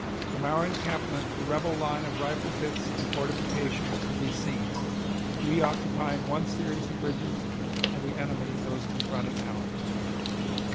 From our encampment the rebel line of rifle pits and fortifications could be seen, we occupying one series of ridges and the enemy those confronting ours.